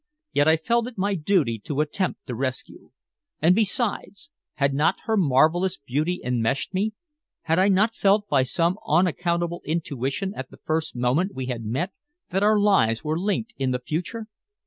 Yet I felt it my duty to attempt the rescue. And besides, had not her marvelous beauty enmeshed me; had I not felt by some unaccountable intuition at the first moment we had met that our lives were linked in the future?